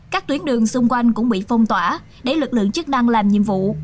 các tuyến đường xung quanh cũng bị phong tỏa để lực lượng chức năng làm nhiệm vụ